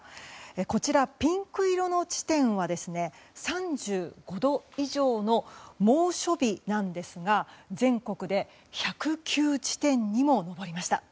こちら、ピンク色の地点は３５度以上の猛暑日なんですが全国で１０９地点にも上りました。